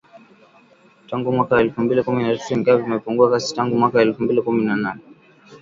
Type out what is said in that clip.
Tangu mwaka wa elfu mbili kumi na tatu ingawa vimepungua kasi tangu mwaka wa elfu mbili kumi na nane.